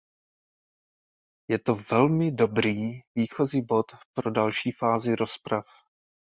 Je to velmi dobrý výchozí bod pro další fázi rozprav.